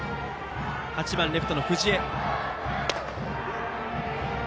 打席は８番レフトの藤江。